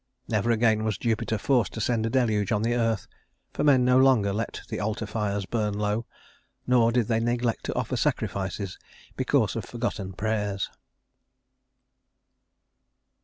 Never again was Jupiter forced to send a deluge on the earth, for men no longer let the altar fires burn low, nor did they neglect to offer sacrifices because of forgotten prayers.